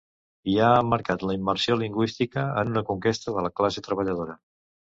I ha emmarcat la immersió lingüística en ‘una conquesta de la classe treballadora’.